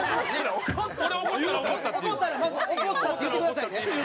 怒ったらまず「怒った」って言ってくださいね。